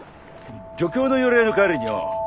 漁協の寄り合いの帰りによ